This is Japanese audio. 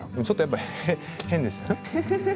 ちょっとやっぱり変でしたね？